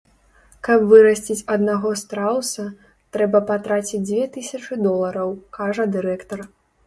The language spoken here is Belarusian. Каб вырасціць аднаго страуса, трэба патраціць дзве тысячы долараў, кажа дырэктар.